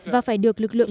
và phải được lực lượng